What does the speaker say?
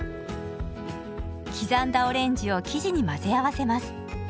刻んだオレンジを生地に混ぜ合わせます。